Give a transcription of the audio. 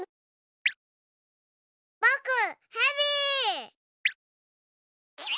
ぼくヘビ！